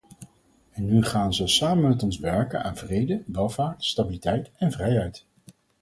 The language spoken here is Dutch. En nu gaan ze samen met ons werken aan vrede, welvaart, stabiliteit en vrijheid.